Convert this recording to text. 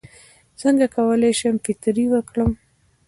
څنګه کولی شم فطرې ورکړم